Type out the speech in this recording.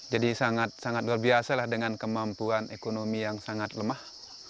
jadi sangat luar biasa dengan kemampuan ekonomi yang sangat lemah